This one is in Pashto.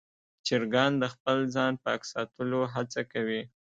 چرګان د خپل ځان پاک ساتلو هڅه کوي.